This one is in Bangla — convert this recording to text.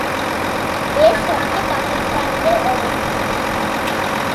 বেশ শক্ত পাকিস্তানিদের অবস্থান।